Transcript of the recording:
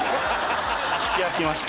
聴き飽きました。